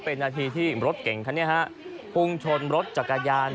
เป็นหน้าที่ที่รถเก่งครับเนี่ยฮะ